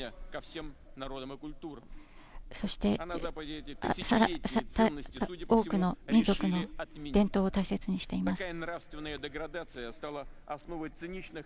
そして母国の民族の伝統を大切にしています。